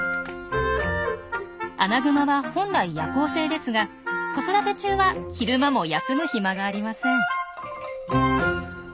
アナグマは本来夜行性ですが子育て中は昼間も休む暇がありません。